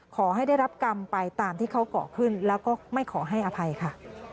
ขอให้ได้รับกรรมไปตามที่เขาก่อขึ้นแล้วก็ไม่ขอให้อภัยค่ะ